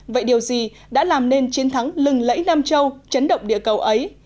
vậy điều gì đã làm nên chiến thắng lừng lẫy nam châu chấn động địa cầu ấy